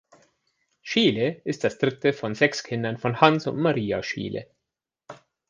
Scheele ist das dritte von sechs Kindern von Hans und Maria Scheele.